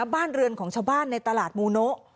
บ้านเรือนของชาวบ้านในตลาดมูโนะ